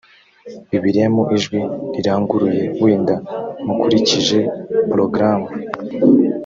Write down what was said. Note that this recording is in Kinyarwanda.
bibiliya mu ijwi riranguruye wenda mukurikije porogaramu